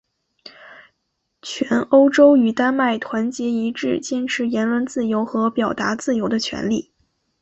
全欧洲与丹麦团结一致坚持言论自由和表达自由的权利。